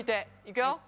いくよ。